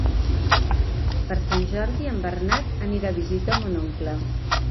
Per Sant Jordi en Bernat anirà a visitar mon oncle.